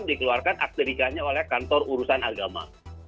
dikeluarkan akte nikahnya oleh kantor urusan agama